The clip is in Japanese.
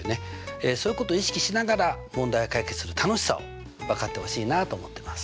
そういうことを意識しながら問題を解決する楽しさを分かってほしいなと思ってます。